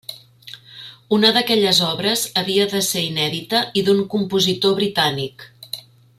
Una d'aquelles obres havia de ser inèdita i d'un compositor britànic.